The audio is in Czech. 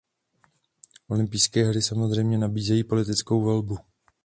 Olympijské hry samozřejmě nabízejí politickou volbu.